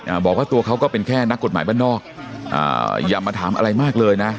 อ่าบอกว่าตัวเขาก็เป็นแค่นักกฎหมายบ้านนอกอ่าอย่ามาถามอะไรมากเลยนะ